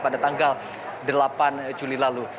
pada tanggal delapan juli lalu